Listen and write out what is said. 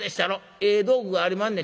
ええ道具がありまんねん。